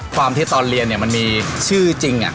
ความที่ตอนเรียนมันมีชื่อจริง